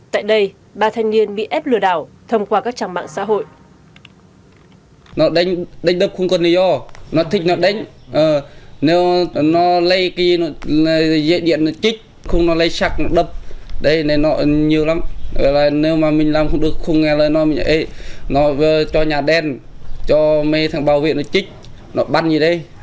tại đây ba thanh niên bị ép lừa đảo thông qua các trạng mạng xã hội